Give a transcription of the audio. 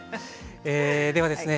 ではですね